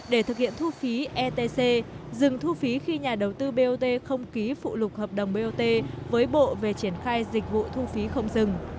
để thực hiện thu phí etc dừng thu phí khi nhà đầu tư bot không ký phụ lục hợp đồng bot với bộ về triển khai dịch vụ thu phí không dừng